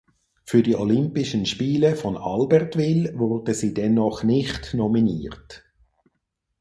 Für die Olympischen Spiele von Albertville wurde sie dennoch nicht nominiert.